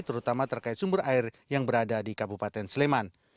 terutama terkait sumber air yang berada di kabupaten sleman